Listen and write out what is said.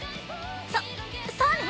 そそうね。